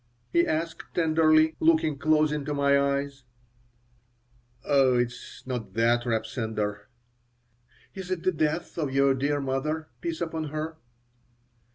he asked, tenderly, looking close into niy eyes "Oh, it is not that, Reb Sender." "Is it the death of your dear mother peace upon her?"